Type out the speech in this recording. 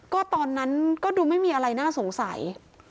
ก็ตอนนั้นก็ดูไม่มีอะไรน่าสงสัย